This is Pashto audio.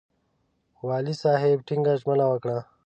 والي صاحب ټینګه ژمنه وکړه.